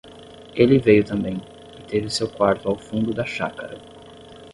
ele veio também, e teve o seu quarto ao fundo da chácara.